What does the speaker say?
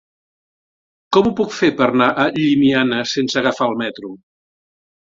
Com ho puc fer per anar a Llimiana sense agafar el metro?